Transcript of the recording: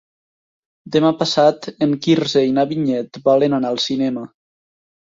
Demà passat en Quirze i na Vinyet volen anar al cinema.